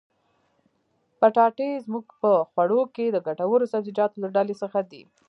پټاټې زموږ په خوړو کښي د ګټورو سبزيجاتو له ډلي څخه دي.